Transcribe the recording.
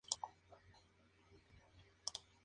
Rosario y Manuel son padres de dos varones, ambos sevillanos.